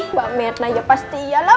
mbak mirna ya pasti iya lah